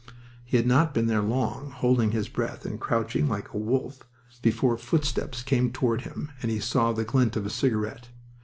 He had not been there long, holding his breath and crouching like a wolf, before footsteps came toward him and he saw the glint of a cigarette.